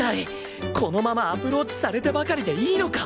このままアプローチされてばかりでいいのか！？